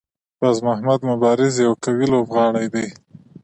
باز محمد مبارز یو قوي لوبغاړی دی.